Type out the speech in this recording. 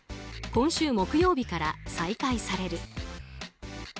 今週木曜日から再開される。